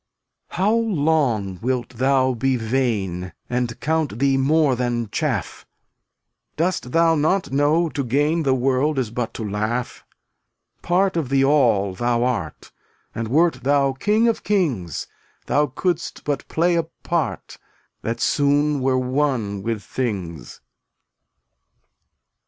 276 How long wilt thou be vain And count thee more than chaff? Dost thou not know to gain The world is but to laugh? Part of the All thou art, And wert thou king of kings, Thou couldst but play a part That soon were one with things.